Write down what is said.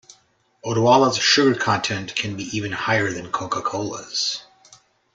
Odwalla's sugar content can be even higher than Coca-Cola's.